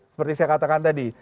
seperti saya katakan tadi